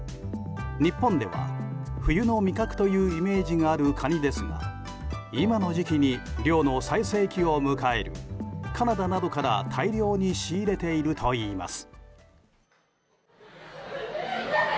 日本では、冬の味覚というイメージがあるカニですが今の時期に、漁の最盛期を迎えるカナダなどから大量に仕入れているといいます。